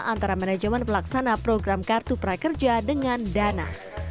antara manajemen pelaksana program kartu prakerja dengan dana